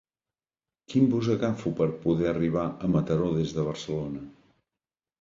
Quin bus agafo per poder arribar a Mataró des de Barcelona?